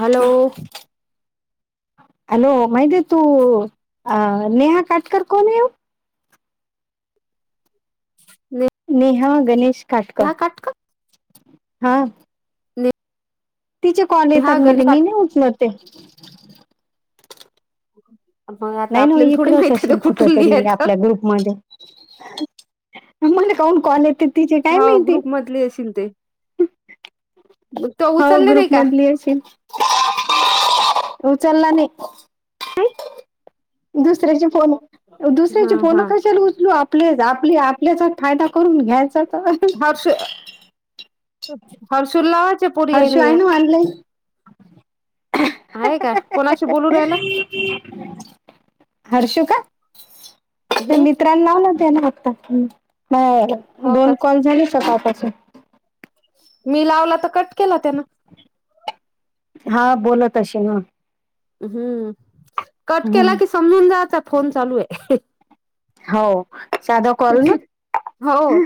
Hello. Hello माहिती तो अ नेहा काटकर कोण आहे ओ. [inaudible] नेहा गणेश नेहा काटकटर हा. नाय. तिचे कॉल येतात मला मी नाही उचलत ते. [inaudible] नाही ना आपल्याला थोडी इकडच माहित आहे ते असशील कुठ कुठून तरी लिहायचं आपल्या ग्रुप मध्ये. मला का उन कॉल येते तिचे काय हो माहिती. ग्रुप मधली अशील ते मग तो हो उचलले नाही ग्रुप का मधली असेल. उचलला नाही. दुसऱ्याची फोन हा दुसऱ्याची फोन हा कशाला उचलू आपले आपले आपल्याचा फायदा. करून घ्यायचा तर [unintelligible] ची पोरी हाय ना हर्षू आहे या ऑनलाईन आहे का कोणाशी बोलून राहिला. हर्षु का हम्म मित्रांन लावले होते ना आता. म हो का दोन कॉल झाले सकाळपासून. मी लावला तर कट केला त्यान. हा बोलत अशी मग. हम्म कट केला कि समजून जाचा फोन चालू आहे. हाव साधं कॉल ना. हो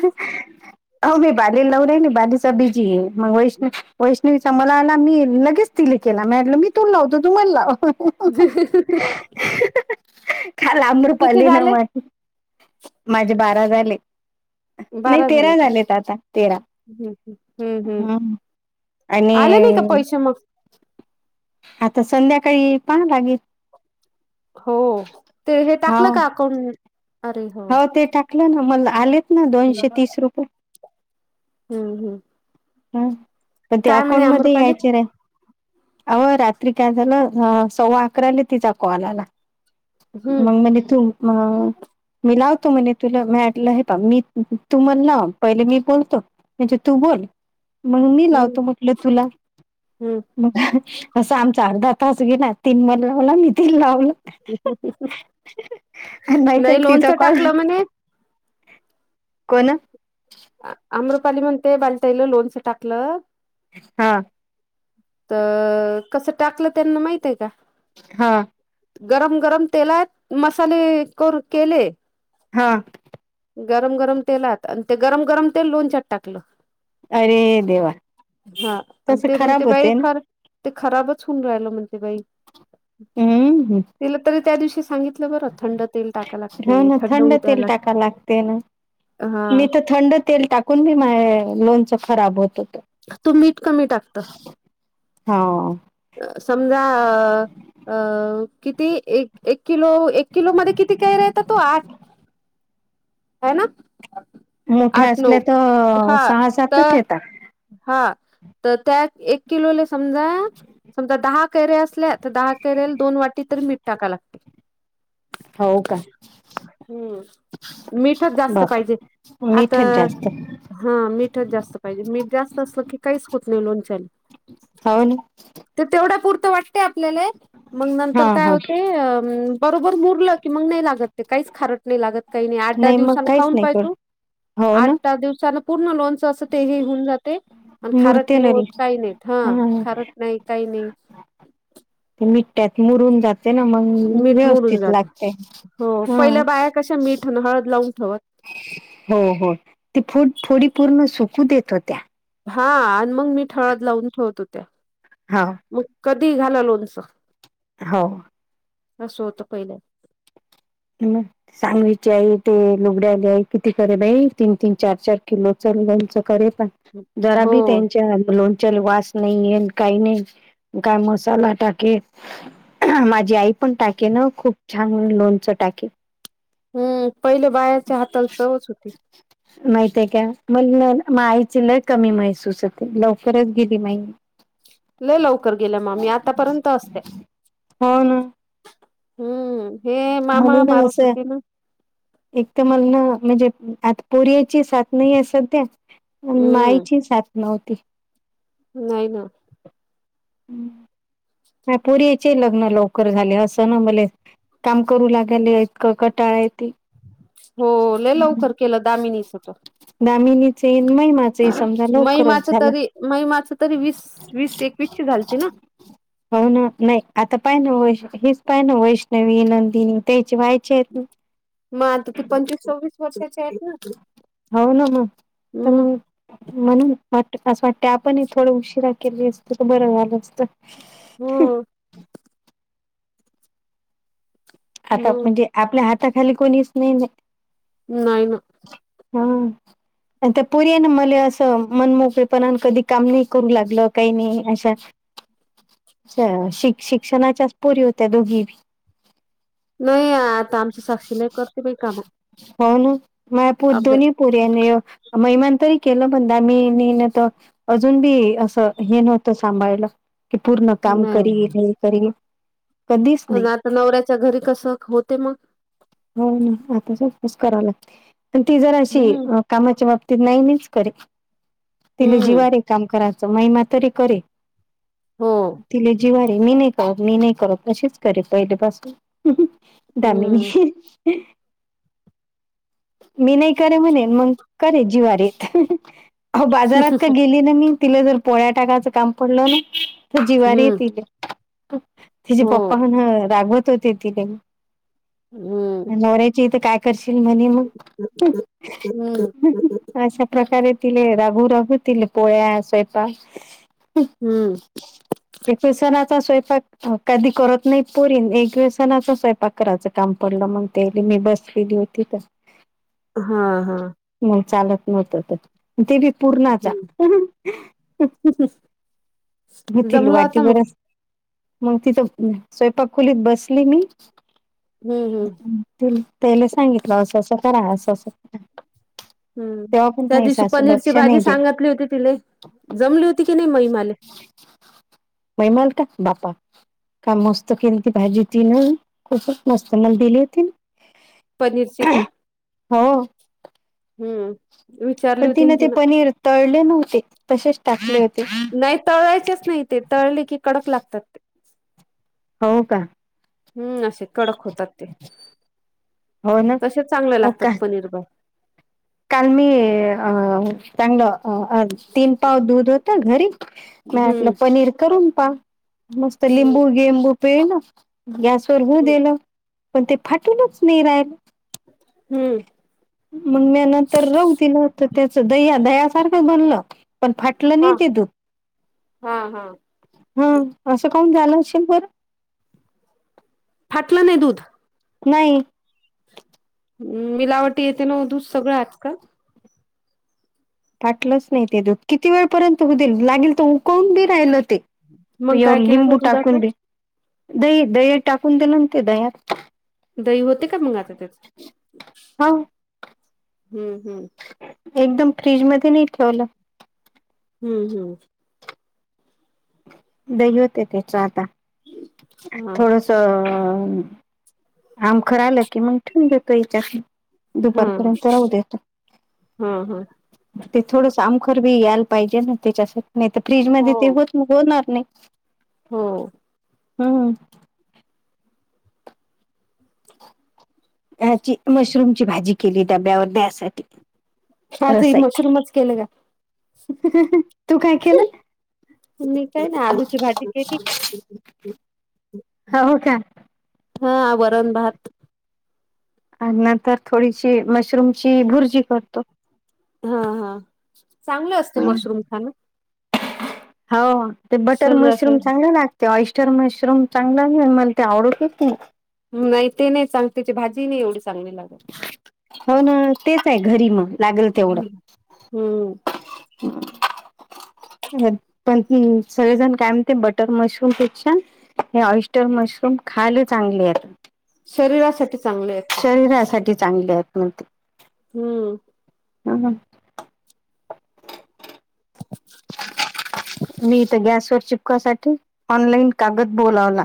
हाव मी बालीला लावून राहिली बालीचा बिझीये आहे मग वैष्णवी वैष्ण तिचा मला आला मी लगेच तिला केला माटलं मी तो लावतो तुम्हाला लाव. [inaudible] काल किती आम्रपालीने झाले वा माझे बारा झाले. नाही बारा झाले तेरा का झालेत आता तेरा हम्म हम्म हम्म ह. आणि आले नाही का पैसे मग आता संध्याकाळी पहा लागेल. हो ते हे हा टाकलं का अकाउंट. हो ते टाकलं ना मला आलेत ना हम्म दोनशे तीस रुपये. हम्म हम्. काय तर ते अकाउंट मध्ये अमृपाली यायचे रे अहं रात्री काय झालं सव्वा अकराला तिचा कॉल आला हम्म मगं मले तुम ह मी लावतो म्हणे तुला मी म्हंटल हे पहा मी तू मला लाव पहिले मी बोलतो. म्हणजे तू बोल मग मी हम्म लावतो म्हटलं तुला हम्म मग असं आमचा अर्धा तास गेला तीन महिने लावला मी ति लावलं [unintelligible] आणि माहित नाही तिचा लोनचं कॉल टाकलं म्हणे कोण अमृपाली म्हणते बाली ताईनं लोणचं टाकलं हा तर कसं टाकलं त्यांना माहितय का हा गरम गरम तेलात मसाले करु केले हा गरम गरम तेलात आणि ते गरम गरम तेल लोणच्यात टाकलं अरे देवा हा आणि तसं ते म्हणते खराब बाई होते ना खर ते खराबच होऊन राहिल म्हणते बाई हम्म तिला तरी त्या दिवशी सांगितलं बरं थंड तेल टाका हो लागते ना थंड होऊ द्या तेल लाग टाका लागते ना हा मी तर थंड तेल टाकतो कणी माये लोनच खराब होत तू मीठ कमी टाकत हाव अ समजा अ अ किती एक एक किलो एक किलो मध्ये किती कैऱ्या येतात ओ आठ आहे ना मोठ्या आठ नऊ असल्या तर अ हा सहा सातच तर येतात हा तर त्या एक किलो समजा समजा दहा केैरे असल्या तर दहा केैर्याला दोन वाटी तरी मीठ टाका लागते हो काय हम्म मिठच जास्त बाप पाहिजे आता मीठच जास्त हा मीठच जास्त पाहिजे मीठ जास्त असलं की काहीच होत नाही लोनच्याले होन ते तेवढा पुूरत वाटते आपल्याला मग हा नंतर काय हा होते अ न बरोबर मुरलं की मग नाही लागत ते काहीच खार लात काही नाही आठ दहा दिवस मग काहीच खाऊन नाही पा कर हो ना आठ दिव पूर्ण ल अस ते हे होऊन जाते आणि खारट मुरते नाही ना होत काही नाही हा खारट नाही काही नाही मिठ्यात मुरून जात ते ना मग मीठ मोडून व्यवस्थित जात लागते हो हम पहिल्या बाया कशा मीठ आणि हळद लावून ठेवत हो हो ते फड फोडी पूर्ण सुकू देत होत्या हा आणि मग मी ठळद लावून ठेवत होत्या हा मग कधी घालालोनसं हो असं होतं पहिल्या ह सांगलीचे आई ते लुगड्याले आई किती करे बाई तीन तीन चार चार किलो च लौच करे पय जरा हो बी त्यांची तया लोणच्याल वास नाही येन काही नाही काय मसाला टाके माझी आई पण टाके ना खूप छान लोनचं टाके हम्म पहिले बायाच्या हाताल चवच होती माहिती का मले माया आईची लय कमी महसूस होते लवकरच गेली माई लय लवकर गेलं ममी आतापर्यंत असत्या हो ना हम्म मला मामा ना मारत असं होते ना एक तर मला ना म्हणजे आ पोरी्याची साथ नाही ह सध्या हम्म माईची साथना होती नाही ना हम्म पुरीचे लग्न लवकर झाले असं ना मले काम करू लागेले इतकं कटाळा आहे त हो ल लवकर केलं दामिनीच होतो दमी निचे इनमय मा मैमाच तरी मैमाच तरी वीस वीस एकवीस झालती ना हो ना नाही आता पाहि ना वै् हेच पाय ना वैष्णवी नंदिनी त्याची व्हायची आहेत ना मग आता ती पंचवीस सोवीस वर्षाची आहेत ना हो ना मग तर ना मग म्हणून वाट असं वाटते आपण थोड उशिरा केले असतो तर बरं झालं असत होम्म आता मग म्हणजे आपल्या हाताखाली कोणीच नाही नाही ना हम् आणि त्या पुरी ना मला असं मन मोकळेपणा कधी काम नाही करू लागलं काही नाही अशा ह शिक् शिक्षणाच्याच पोरी होत्या दोघी नाही आता आमची साक्षी नाही करते बाही काम होन म अर्ध पूधोनी पुऱ्याने महिमान तरी केलं म्हण द मी नेण त अजून बी असं हे नव्हतं सांभाळयला क पूर्ण काम कर नाही कर आणि आता नवऱ्याच्या घरी कसं होते मग हो ना आता सच कराव लागते प ती जर अशी हम्म कामाच्या बाबतीत नाही मच करे तिला हम्म जिवारे काम करायच महिमा तरी करे हो तिले जिवारे मी नाही मी नाही करत तशीच करे पहिले पाासून दामिनी हम्म मी नाही करे म्हणेन मग करे जीवारीेत हो बाजारात का गेली ना मी तिला जर पोळ्या टाकायचं काम पडलं ना तर जिवारी हम्म तिले तिचे हो पप्पा हण रागवत होते तिने हम्म. नवऱ्याची इथं काय करशील म्हणे मग हम्म. अशा प्रकारे तिले रागू रागू ति पोळ्या स्वयंपा हम्म. एकविसनाचा स्वयंपाक कधी करत नाही परीन एकविसनाचा स्वयंपाक कराच काम पडलं मग ते मी बसलेली होती तर हा हा मग चालत नव्हत तर ते बी पूरणा चा होतील जमला होता वाटीवर मग तिथं स्वयंपाक खोलीत बसली मी हम्म हम् त्याला सांगितलं असं असं करा असं अस हम्म त्या दिवशी पनीरची भाजी दे सांगातली होती तिला जमली होती की नाही महिमाले मैमाल का बापा का मस्त केन त भाजी तीन खूच मस्त मला दिली होती पनीर ची का? हो. हम्म. विचारली पण होती ना तिनं ते पनीर तळले नव्हते तसेच टाकले होते. नाही तळायचेच नाही ते तळले की कडक लागतात ते हो काय हम्म असे कडक होतात ते हो ना तसेच चांगले हो का लागतात पनीर बा काल मी अ चांगलं तीन पाव दूध होता घरी मला वाटलं हम्म पनीर करून पाहव. मस्त हम्म लिंबू गेंबू पेळ ना गॅस वर ब हम्म देलं पण ते फाटूनच नाही राहिलं हम्म. मग म्या नंतर राहू दिलं तर त्याचं दह्या दह्यासारखं बनलं पण फाट फाटलं नाही हा ते दुध हा हा [unintelligible] हा असं कावून झालं असेल बर? फाटलं नाही दूध. नाही. मिलावटी येते ना वो दूध सगळं आजकाल फाटलंच नाही ते दूध किती वेळपर्यंत हो दिलं लागेल तर उकवून बी राहिलं ते मग एव काय केलं त्या लिंबू टाकून दुधाचं दे दही दही टाकून दिलं ते दह्यात दही होते का मंग आता त्याज हो हम्म हम्म एकदम फ्रीजमध्ये नाही ठेवलं.. हम्म हम्. दही होते त्याच आता हा थोडस [unintelligible] [unintelligible] [inaudible] तो याच्याकून हा दुपारपर्यंत राहू देफ हा हा ते थोडंस आमखर बी यायला पाहिजे ना त्याच्यासाठी नाही तर फ्रीज हो मध्ये ते होत होणार नाही. हो. हम्म. ह्याची मशरूम ची भाजी केली डब्यावर द्यासाठी. आज हे रसाय मशरूमच केलं का? तू काय केलं? मी काय नाय आलूची भाजी केली. हो का हा वरण भात आणि नंतर थोडीशी मशरूमची भुर्जी करतो. हा हा चांगलं असतं मशरूम खाणं. हो हो ते बटर मशरूम शरीरासाठी चांगला लाग ते ऑइस्टर मशरूम चांगला नाही मला ते आवडते की [unintelligible] नाही ते नाही चांगलं त्याची भाजी नाही एवढी चांगली लागत. हो ना तेच हाय घरी मग लागेल तेवढं. हम् हम्म पण हं सगळेजण काय म्हणते बटर मशरूम पेक्षा ते ऑस्टर मशरूम खायला चांगलेयत. शरीरासाठी चांगलेयत ते शरीरासाठी चांगलेत म्हणते. हम्म. ह ह. मी त गॅसवर चिपकासाठी, ऑनलाईन कागद बोलावला.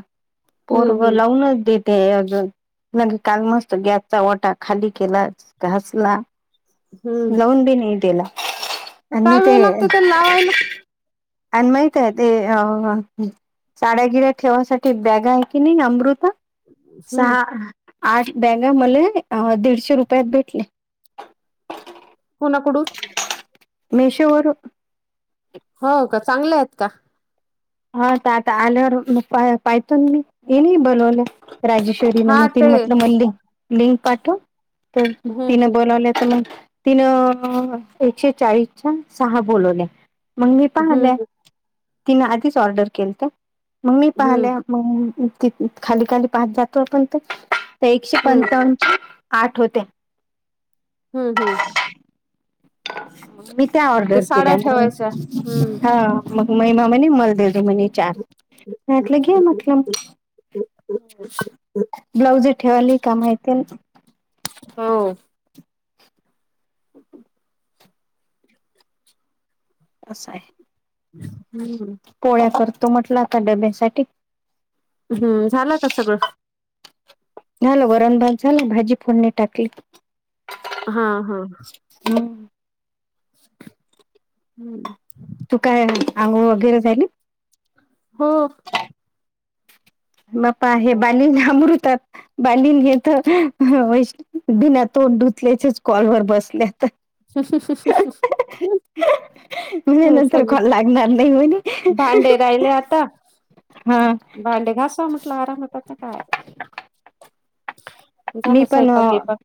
पोरग हम्म हम्म लावूनच देत ते अजून काल मस्त गॅसचा ओटा खाली केला घासला हम्म लावून बी नाही दिला. आन मी ते ना [unintelligible] आणि माहितय ते अ साड्यागिऱ्या ठेवाण्यासाठी बॅग आहे की नाही अमृता? हम्म सहा, आठ बॅगा मले, दीडशे रुपयात भेटले. कोणा कडून. हे शो वरुन. हो का? चांगलेयेत का? हा त आता आल्यावर मग पाहतोन मी, ये नी बोलवल्या राजेश, मग हा ते तिन म्हटलं मले लिंक पाठव, तर हम्म तिन हम्म बोलावल्या त मग तीन, एकशे चाळीसच्, या सहा बोलवल्या. मग मी पाहाल्या, हम्म तिन आधीच ऑर्डर केलत्या, मग मी हम्म पाहाल्या. मग ते त खाली खाली पाहत जातो, आपण ते, एकशे हम्म हम्म पंचावन् आठ होते. हम्म हम्म. मी त्या ते ऑर्डर केल्या साड्या मग, ठेवायच्या हम्म हो. मग महिमा म्हणे मला दे ग म्हणी चार, म्हटलं घ्या म्हटलं मग. ब्लाउज ठेवाली काम येण्याला. हो. होक [inaudible] असं आहे. हम्म [inaudible] पोळ्या करतो म्हटलं आता, डब्यासाठी. हम्म, झाला का सगळं. झालं वरण भात झालं, भाजी फोडणी टाकली. हा हा. हम् [inaudible] हम्म [inaudible] तू काय? अंगोळ वगैरे झाली. हो. बापा हे बालीन आमरुतात, बालीन हे त बिना तोंड धुतल्याचेच, कॉलवर बसल्या त. [unintelligible] म्हणे हम्म नंतर सग, कॉल लागणार नाही म्हणे भांडे राहिले आता. हा. भांडे घाासावा, म्हटलं आरामत, आता काय. मी झालं पण, स्वयंपाक गियपाक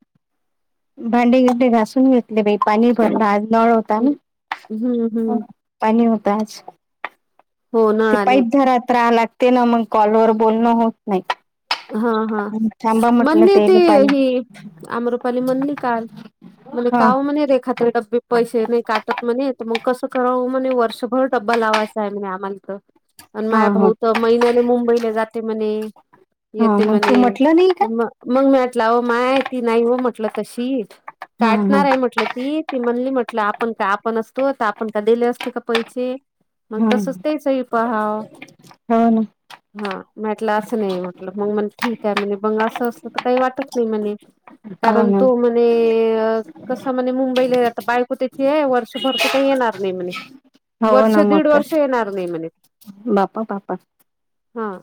भांडेबीडे घासून घेतले बाई, पाणी भरलं आज, नळ हम्म हम्म पाणी होत आज, हो नळ ते आले पाईप होते धरात करा लागते ना, मग कॉल वर बोलणं होत नाही. हा हा, थांबा म्हटलं म्हणले, ते तेल पाणी हि आमरपाली म्हणली काल. म्हणे हा काओ म्हणे रेखाताई ड्बे पैसे नाही काटत म्हणे, त म कसं करावं म्हणे, वर्षभर डब्बा लावायचाय म्हणे आम्हाला तीथ. अन हा माये हा भाऊ त, महिन्याले मुंबईला जाते म्हणे. हा येथे मग तू मने म्हटलं नाही का तम मग मी म्हटला हो माय ती नाही हो म्हटलं तशी हा हा काटणार आहे म्हटलं ती म्हणली म्हटलं आपण का आपण असतो तर आपण का दिले असते का पैसे मग हा तसच तेचही पहाव हो ना हा म्हटलं असं नाही मग मग म ठीक आहे म्ह बंग असं असलं तर काही वाटत नाही म्हणे हो कारण ना तो म्ह. आणि कसं म्हणे मुंबईलाता बायको त्याची आहे वर्षभर तर काही येणार नाही म्हणे हो वर्ष ना दीड मग वर्ष काय येणार नाही म्हणे, बापा बापा हा.